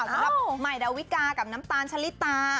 สำหรับใหม่ดาวิกากับน้ำตาลชะลิตา